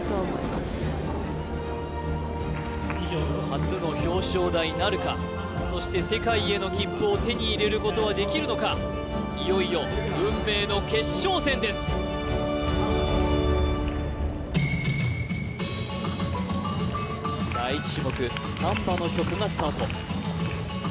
初の表彰台なるかそして世界への切符を手に入れることはできるのかいよいよ運命の決勝戦です！の曲がスタート